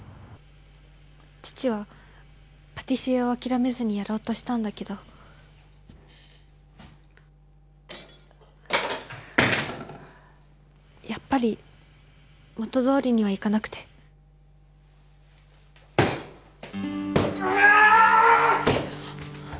父はパティシエを諦めずにやろうとしたんだけどやっぱり元どおりにはいかなくてああーっ！